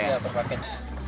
iya per paket